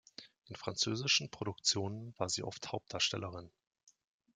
In französischen Produktionen war sie oft Hauptdarstellerin.